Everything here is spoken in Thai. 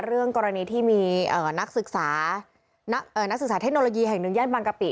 เรื่องกรณีที่มีนักศึกษาเทคโนโลยีแห่งหนึ่งแย่นบังกะปิ